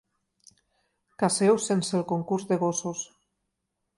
Caceu sense el concurs de gossos.